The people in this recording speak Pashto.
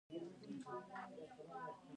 ایا زه په ګرمو اوبو لامبلی شم؟